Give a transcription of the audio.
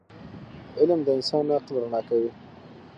علم د انسان عقل رڼا کوي.